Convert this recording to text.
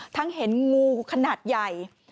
ทั้งเห็นงูขนาดใหญ่